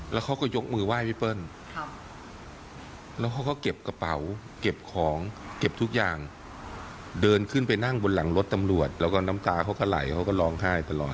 แล้วเขาก็ยกมือไหว้พี่เปิ้ลแล้วเขาก็เก็บกระเป๋าเก็บของเก็บทุกอย่างเดินขึ้นไปนั่งบนหลังรถตำรวจแล้วก็น้ำตาเขาก็ไหลเขาก็ร้องไห้ตลอด